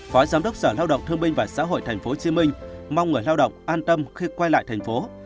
phó giám đốc sở lao động thương minh và xã hội tp hcm mong người lao động an tâm khi quay lại tp hcm